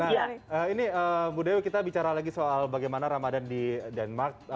nah ini mbak dea kita bicara lagi soal bagaimana ramadan di denmark